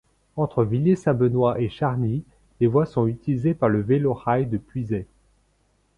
Entre Villiers-Saint-Benoît et Charny, les voies sont utilisées par le Vélo rail de Puisaye.